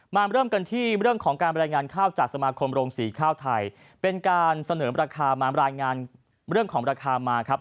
เริ่มกันที่เรื่องของการบรรยายงานข้าวจากสมาคมโรงสีข้าวไทยเป็นการเสนอราคามารายงานเรื่องของราคามาครับ